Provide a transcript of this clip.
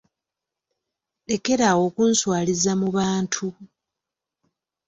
Lekera awo okunswaliza mu bantu.